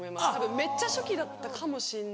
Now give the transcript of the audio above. めっちゃ初期だったかもしんない。